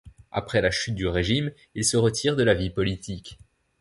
Après la chute du régime il se retire de la vie politique.